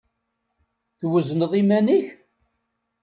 Twezneḍ iman-ik?